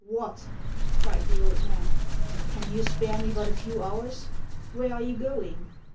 "What!" cried the old man, " can you spare me but a few hours ? Where are you going